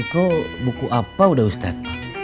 eko buku apa udah ustadz